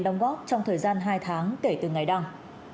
đóng góp trong thời gian hai tháng kể từ ngày đăng